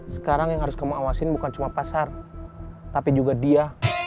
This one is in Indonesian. sekarang yang harus kamu awasin bukan cuma pasar tapi juga dia